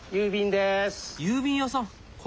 郵便屋さん！